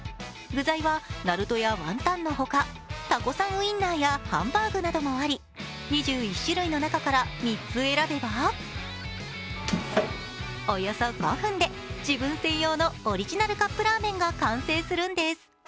ウインナーやハンバーグなどもあり２１種類の中から３つ選べば、およそ５分で自分専用のオリジナルカップラーメンが完成するんです。